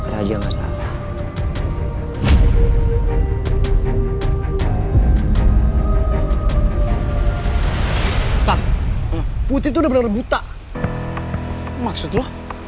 raja gak salah